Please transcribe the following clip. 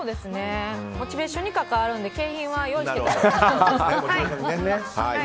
モチベーションに関わるので景品は用意してください。